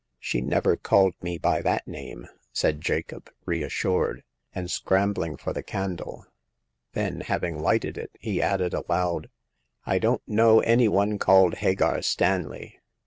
" She never called me by that name," said Jacob, reassured, and scrambling for the candle ; then, having lighted it, he added aloud: I don't know any one called Hagar Stanley."